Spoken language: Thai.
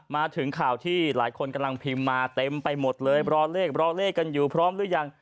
มาถึงข่าวที่หลายคนกำลังพิมพ์มาเต็มไปหมดเลยรอเลขรอเลขกันอยู่พร้อมหรือยัง